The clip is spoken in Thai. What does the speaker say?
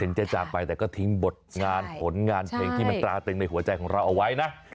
จะจากไปแต่ก็ทิ้งบทงานผลงานเพลงที่มันตราตึงในหัวใจของเราเอาไว้นะ